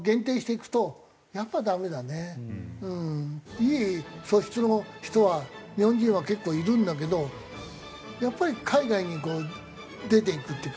いい素質の人は日本人は結構いるんだけどやっぱり海外にこう出ていくっていうか。